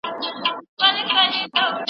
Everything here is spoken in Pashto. علمي تحقیق په چټکۍ نه ارزول کیږي.